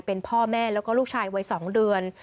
เป็นพ่อแม่แล้วก็ลูกชายวัย๒เดือน